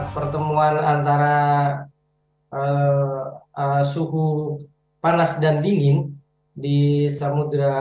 pertemuan antara suhu panas dan dingin di samudera